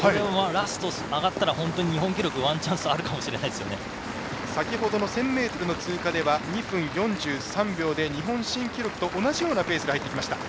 ラストあがったら本当に日本記録ワンチャンス先ほどの１０００ｍ通過２分４３秒で日本新記録と同じようなペースで入っていきました。